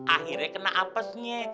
akhirnya kena apesnya